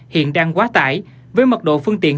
hiện đang quá tải với mật độ phương tiện